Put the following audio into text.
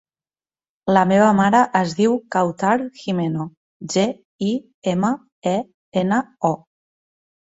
La meva mare es diu Kawtar Gimeno: ge, i, ema, e, ena, o.